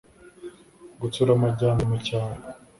Gutsura amajyambere mu cyaro